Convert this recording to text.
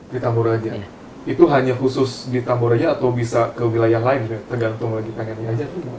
di tamboraja itu hanya khusus di tamboraja atau bisa ke wilayah lain tergantung lagi pengennya aja